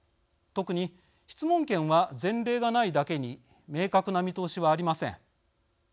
特に質問権は前例がないだけに明確な見通しはありません。